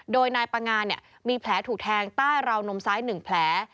โดยนายปังงานมีแผลถูกแทงใต้ราวนมซ้าย๑แผล